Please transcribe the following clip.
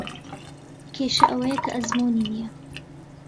کێشە ئەوەیە کە ئەزموونی نییە.